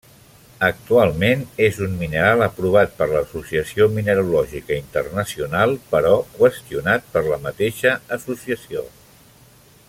Actualment és un mineral aprovat per l'Associació Mineralògica Internacional però qüestionat per la mateixa associació.